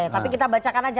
tapi kita bacakan aja